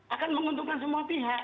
akan menguntungkan semua pihak